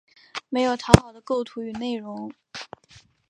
没有讨好的构图与内容